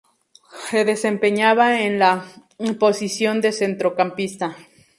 Se desempeñaba en la posición de Centrocampista.